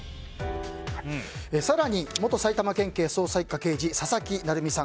更に、元埼玉県警捜査１課刑事佐々木成三さん